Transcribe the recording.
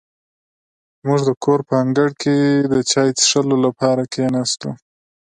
موږ د کور په انګړ کې د چای څښلو لپاره کېناستو.